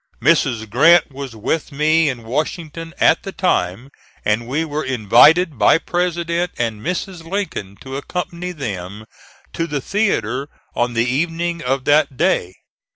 Mrs. Grant was with me in Washington at the time, and we were invited by President and Mrs. Lincoln to accompany them to the theatre on the evening of that day.